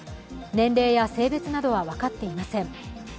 年齢や性別などは分かっていません。